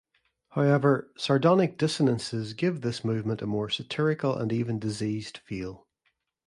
However, sardonic dissonances give this movement a more satirical and even diseased feel.